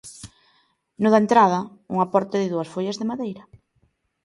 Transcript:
No da entrada, unha porta de dúas follas de madeira.